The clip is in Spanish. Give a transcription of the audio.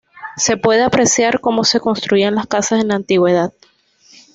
Se puede apreciar cómo se construían las casas en la antigüedad.